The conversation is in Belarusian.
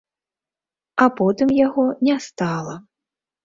А потым яго не стала.